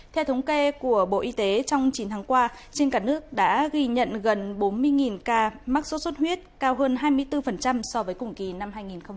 theo thống kê của bộ y tế trong chín tháng qua trên cả nước đã ghi nhận gần bốn mươi ca mắc sốt xuất huyết cao hơn hai mươi bốn so với cùng kỳ năm hai nghìn một mươi tám